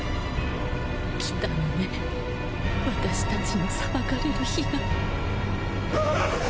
来たのね私たちの裁かれる日が。